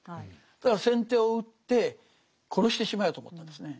だから先手を打って殺してしまえと思ったんですね。